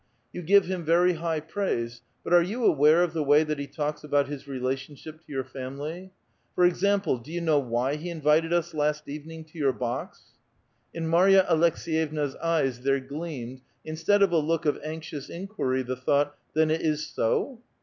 You give him very high praise, but are 3'on aware of the way that he talks about his relationship to your family ? For example, do you know why be invited us last evening to your box ?" In Mary a Aleks^yevna's eyes there gleamed, instead of a look of anxious inquiry, the thought, " Then it is so